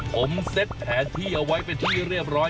ผมเซ็ตแผนที่เอาไว้เป็นที่เรียบร้อย